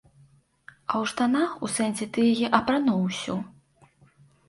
А ў штанах, у сэнсе, ты яе апрануў ўсю.